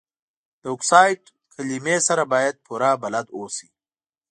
د اکسایډ کلمې سره باید پوره بلد اوسئ.